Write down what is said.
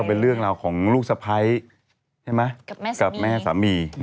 ก็เป็นเรื่องราวของลูกสะพันธุ์กับแม่สามี